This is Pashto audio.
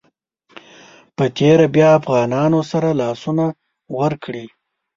په تېره بیا افغانانو سره لاسونه ورکړي.